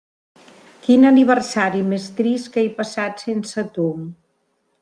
Quin aniversari més trist que he passat sense tu.